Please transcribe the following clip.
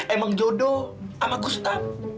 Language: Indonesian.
nolila emang jodoh sama gustaf